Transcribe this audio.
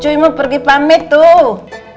deh cuy mau pergi pamit tuh